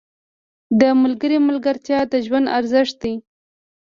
• د ملګري ملګرتیا د ژوند ارزښت لري.